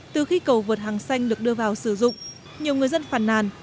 từ khi cầu vượt hàng xanh được đưa vào sử dụng nhiều người dân phàn nàn